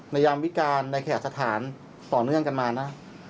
ยามวิการในแขกสถานต่อเนื่องกันมานะ